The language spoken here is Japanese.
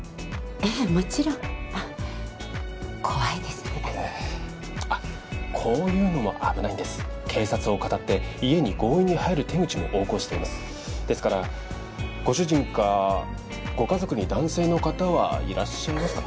ええもちろん怖いですねええあっこういうのも危ないんです警察をかたって家に強引に入る手口も横行していますですからご主人かご家族に男性の方はいらっしゃいますか？